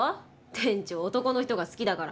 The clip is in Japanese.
店長男の人が好きだから。